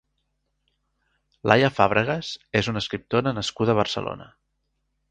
Laia Fàbregas és una escriptora nascuda a Barcelona.